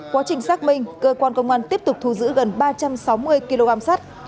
quá trình xác minh cơ quan công an tiếp tục thu giữ gần ba trăm sáu mươi kg sắt